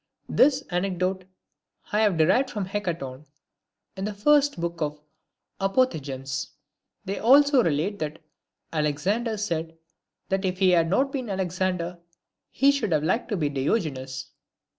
This anecdote I have derived "from Hecaton, in the first book of his Apophthegms. They also relate that Alexander said that if he had not been Alexander, he should have liked to be Diogenes.